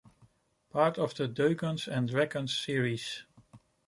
Part of the "Dungeons and Dragons" series.